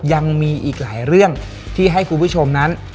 ยังมีอีกหลายเรื่องที่ให้คุณผู้ชมนั้น